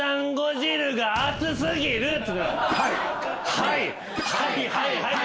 はいはいはい！